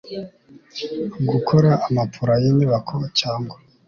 gukora amapula y inyubako cyangwa